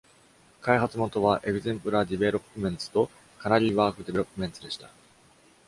開発元はエグゼンプラー・ディベロップメンツとカナリー・ワーフ・ディベロップメンツでした。